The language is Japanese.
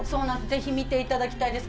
ぜひ見て頂きたいです